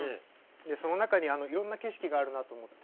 その中にいろんな景色があるなと思って。